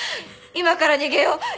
今から逃げよう。